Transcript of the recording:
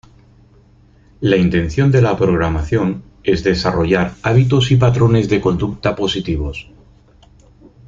La intención de la programación es desarrollar hábitos y patrones de conducta positivos.